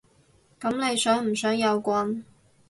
噉你想唔想有棍？